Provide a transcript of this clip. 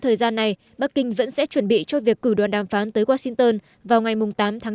thời gian này bắc kinh vẫn sẽ chuẩn bị cho việc cử đoàn đàm phán tới washington vào ngày tám tháng